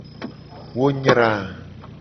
Wo nyra.